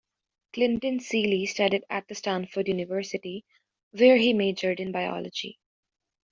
Clinton Seely studied at the Stanford University, where he majored in biology.